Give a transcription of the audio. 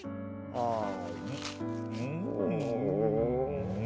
ああ。